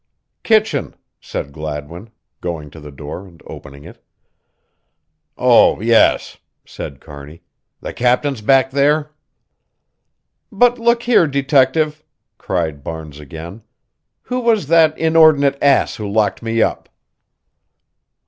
"Kitchen," said Gladwin, going to the door and opening it. "Oh, yes," said Kearney, "the captain's back there?" "But look here, detective," cried Barnes again, "who was that inordinate ass who locked me up?"